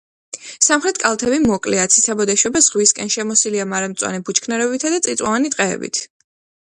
სამხრეთ კალთები მოკლეა, ციცაბოდ ეშვება ზღვისკენ, შემოსილია მარადმწვანე ბუჩქნარებითა და წიწვოვანი ტყეებით.